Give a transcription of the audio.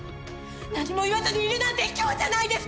何も言わずにいるなんてひきょうじゃないですか！